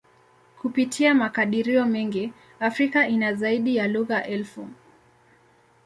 Kupitia makadirio mengi, Afrika ina zaidi ya lugha elfu.